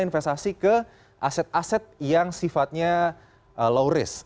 investasi ke aset aset yang sifatnya low risk